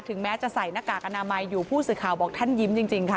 แม้จะใส่หน้ากากอนามัยอยู่ผู้สื่อข่าวบอกท่านยิ้มจริงค่ะ